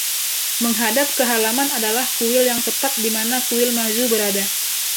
Menghadap ke halaman adalah kuil yang tepat di mana kuil Mazu berada.